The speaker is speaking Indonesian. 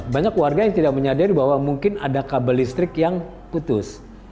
banyak warga yang tidak menyadari bahwa mungkin ada kabel listrik yang putus